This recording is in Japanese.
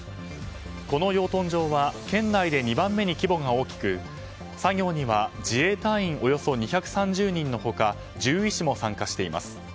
この養豚場は県内で２番目に規模が大きく作業には自衛隊員およそ２３０人の他獣医師も参加しています。